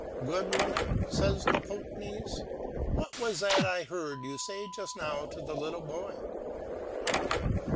'Good woman,' says the Poknees, 'what was that I heard you say just now to the little boy?'